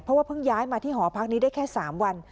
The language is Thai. เพราะว่าเพิ่งย้ายมาที่หอพักนี้ได้แค่๓วัน